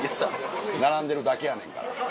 並んでるだけやねんから。